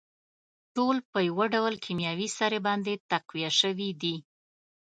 ټول په يوه ډول کيمياوي سرې باندې تقويه شوي دي.